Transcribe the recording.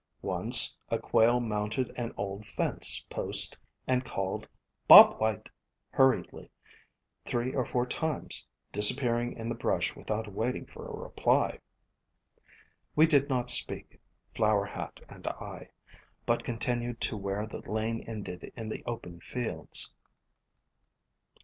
Once a quail mounted an old fence post and called "Bob White!" hurriedly, three or four times, disappearing in the brush without wait ing for a reply. We did not speak, Flower Hat and I, but continued to where the lane ended in the open fields.